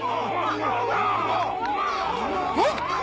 えっ？